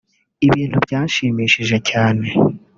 ibintu byabashimishije cyane